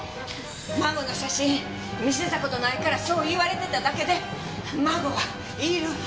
孫の写真見せた事ないからそう言われてただけで孫はいるわ。